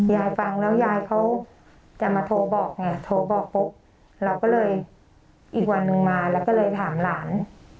ยายฟังแล้วยายเขาจะมาโทรบอกไงโทรบอกปุ๊บเราก็เลยอีกวันหนึ่งมาแล้วก็เลยถามหลาน